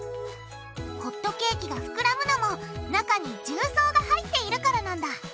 ホットケーキがふくらむのも中に重曹が入っているからなんだ！